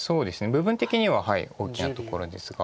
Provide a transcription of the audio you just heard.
部分的には大きなところですが。